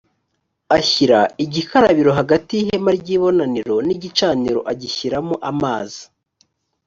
ashyira igikarabiro hagati y’ihema ry’ibonaniro n’igicaniro agishyiramo amazi